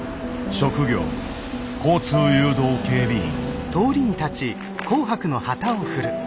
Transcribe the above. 職業交通誘導警備員。